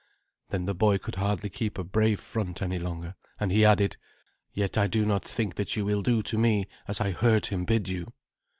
Then the boy could hardly keep a brave front any longer, and he added, "Yet I do not think that you will do to me as I heard him bid you."